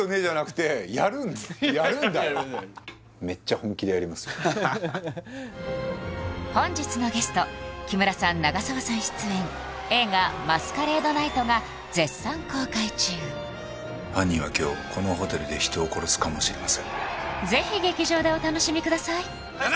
そうですか面白い本日のゲスト木村さん長澤さん出演映画「マスカレード・ナイト」が絶賛公開中犯人は今日このホテルで人を殺すかもしれませんぜひ劇場でお楽しみください